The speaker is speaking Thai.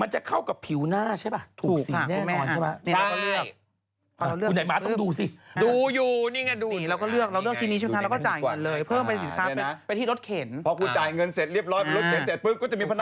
จะเข้ากับผิวหน้าใช่ปะถูกสีแน่นอนใช่ปะนี่เราก็เลือก